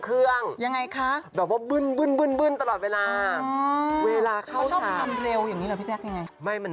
อ๋อเรียบเรียงราวไปหมดเลย